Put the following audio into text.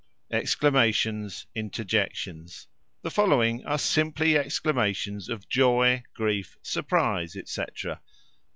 EXCLAMATIONS. INTERJECTIONS. The following are simply exclamations of joy grief, surprise, etc.: ah! : aha!